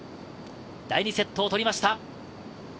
第２セットを取りました。